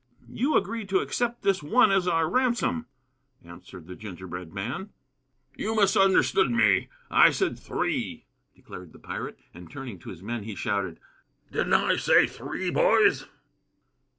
"You agreed to accept this one as our ransom," answered the gingerbread man. "You misunderstood me. I said three," declared the pirate; and turning to his men he shouted: "Didn't I say three, boys?"